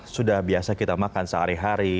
sudah biasa kita makan sehari hari